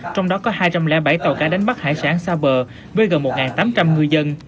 trong đó có hai trăm linh bảy tàu cá đánh bắt hải sản xa vờ với gần một tám trăm linh ngư dân